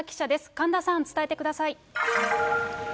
神田さん、伝えてください。